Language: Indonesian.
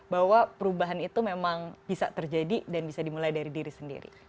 bahwa perubahan itu memang bisa terjadi dan bisa dimulai dari diri sendiri